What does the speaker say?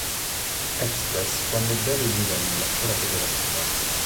Express quando Barry Windham lasciò la federazione.